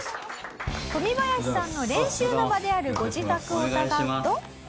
トミバヤシさんの練習の場であるご自宅を伺うと。